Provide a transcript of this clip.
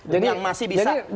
jadi masih bisa berjalan